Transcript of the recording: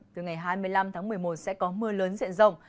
từ ngày hai mươi năm tháng một mươi một sẽ có mưa lớn diện rộng